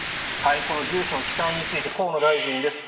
この住所の記載について河野大臣です。